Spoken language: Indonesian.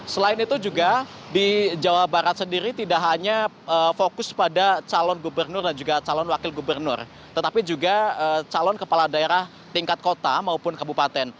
selain itu juga di jawa barat sendiri tidak hanya fokus pada calon gubernur dan juga calon wakil gubernur tetapi juga calon kepala daerah tingkat kota maupun kabupaten